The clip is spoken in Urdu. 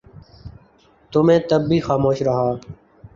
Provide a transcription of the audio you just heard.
تو میں تب بھی خاموش رہا